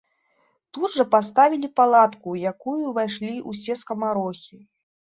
Тут жа паставілі палатку, у якую ўвайшлі ўсе скамарохі.